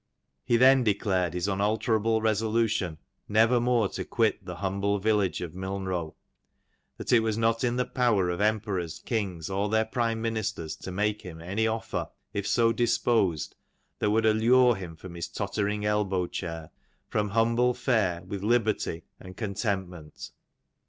He then declared his unalterable resolution never more to quit the humble village of Milnrov? ; that it was not in the power of emperors, kings, or their prime ministers, to make him any offer, if so disposed, that would allure him from his tottering elbow chair, from humble fare, with liberty and contentment.